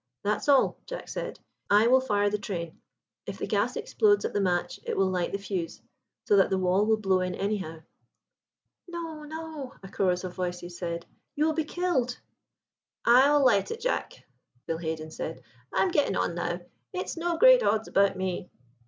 "That's all," Jack said; "I will fire the train. If the gas explodes at the match it will light the fuse, so that the wall will blow in anyhow." "No, no," a chorus of voices said; "you will be killed." "I will light it, Jack," Bill Haden said; "I am getting on now, it's no great odds about me."